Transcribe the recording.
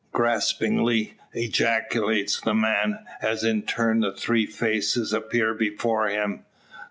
gaspingly ejaculates the man, as in turn the three faces appear before him.